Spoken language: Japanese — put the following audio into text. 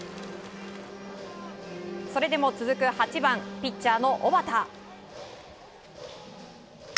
それでも続く８番ピッチャーの小畠。